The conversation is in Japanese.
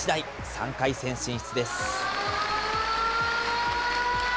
３回戦進出です。